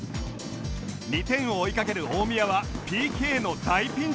２点を追いかける大宮は ＰＫ の大ピンチ！